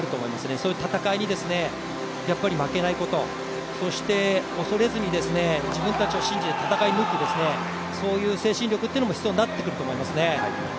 そういう戦いに負けないこと、そして、恐れずに自分たちを信じて戦い抜く、そういう精神力というのも必要になってくると思いますね。